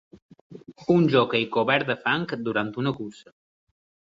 Un joquei cobert de fang durant una cursa